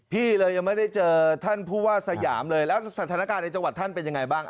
พี่เลยยังไม่ได้เจอท่านผู้ว่าสยามเลยแล้วสถานการณ์ในจังหวัดท่านเป็นยังไงบ้าง